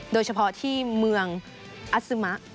โดยเฉพาะที่เมืองอัสซึมะ